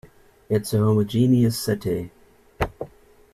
It's a homogeneous city.